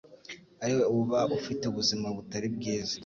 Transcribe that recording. ari we uba ufite ubuzima butari bwiza